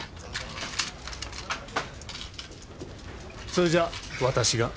それじゃあ私が。